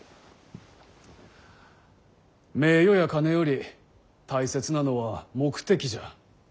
名誉や金より大切なのは目的じゃ。